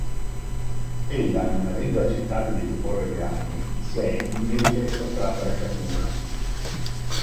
Ella, non avendo accettato di deporre le armi, si è, invece, sottratta alla cattura.